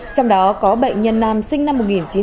trong đó có bệnh nhân nam sinh năm một nghìn chín trăm năm mươi ba